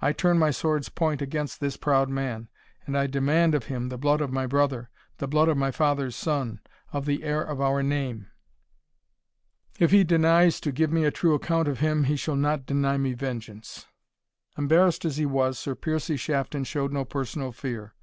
I turn my sword's point against this proud man, and I demand of him the blood of my brother the blood of my father's son of the heir of our name! If he denies to give me a true account of him, he shall not deny me vengeance." Embarrassed as he was, Sir Piercie Shafton showed no personal fear.